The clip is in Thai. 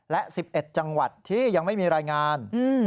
และ๑๑จังหวัดที่ยังไม่มีรายงาน